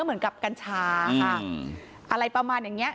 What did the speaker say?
เหมือนกับกัญชาค่ะอะไรประมาณอย่างนี้